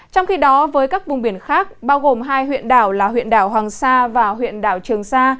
trong khi đó với các vùng biển khác bao gồm hai huyện đảo hoàng sa và huyện đảo trường sa